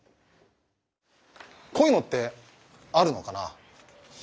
こういうのってあるのかな？